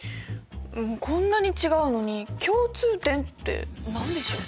こんなに違うのに共通点って何でしょう？